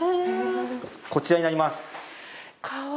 こちらになります！